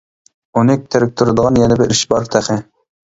ئۇنى تېرىكتۈرىدىغان يەنە بىر ئىش بار تېخى.